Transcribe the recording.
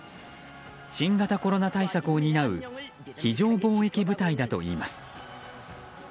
新型コロナ対策を担う非常防疫中隊だといいます。